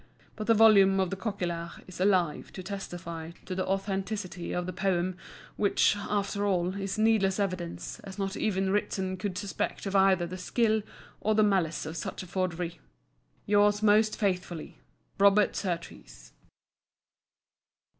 But the volume of Coquillart is alive to testify to the authenticity of the poem; which, after all, is needless evidence, as not even Ritson could suspect of either the skill or the malice of such a forgery, Yours most faithfully, ROBERT SURTEES.